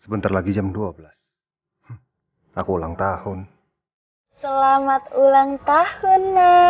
sebentar lagi jam dua belas aku ulang tahun selamat ulang tahun